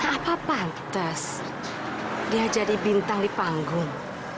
apa pantas dia jadi bintang di panggung